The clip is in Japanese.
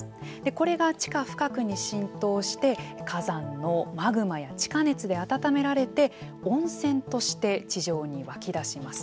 これが地下深くに浸透して火山のマグマや地下熱で温められて温泉として地上に湧き出します。